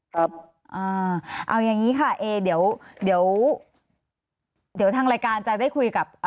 ครับอ่าเอาอย่างนี้ค่ะเอเดี๋ยวเดี๋ยวทางรายการจะได้คุยกับ